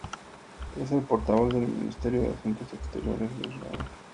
Es el portavoz del Ministerio de Asuntos Exteriores de Israel.